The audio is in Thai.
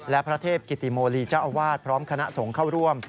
และพระเทพกิติโมลีเจ้าอาวาสพร้อมคณะสงฆ์เข้าร่วม